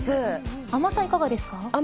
甘さ、いかがですか。